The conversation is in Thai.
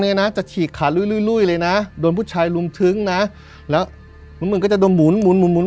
นะจะฉีกขาดลุ้ยเลยนะโดนผู้ชายลุมทึ้งนะแล้วมันก็จะดมหมุนหมุนหมุน